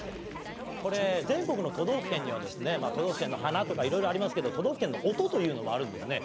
これ全国の都道府県にはですね都道府県の花とか色々ありますけど都道府県の音というのもあるんですね。